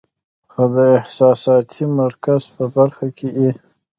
خو د احساساتي مرکز پۀ برخه کې ئې